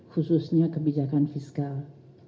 khususnya kebijakan fiskal